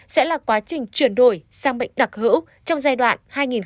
sẽ là quá trình chuyển đổi sang bệnh đặc hữu trong giai đoạn hai nghìn hai mươi hai hai nghìn ba mươi